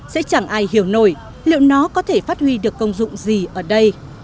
sẽ chẳng ai hiểu nổi liệu nó có thể phát huy được công dụng gì ở đây